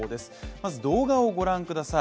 まず動画をご覧ください。